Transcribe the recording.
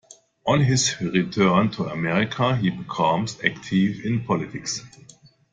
On his return to America, he became active in politics.